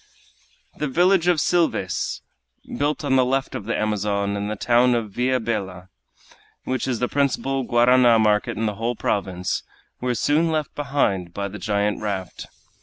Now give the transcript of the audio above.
The village of Silves, built on the left of the Amazon, and the town of Villa Bella, which is the principal guarana market in the whole province, were soon left behind by the giant raft.